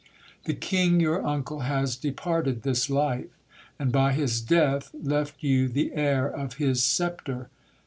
The king your uncle has departed this life ; and by his death left you the heir of his sceptre.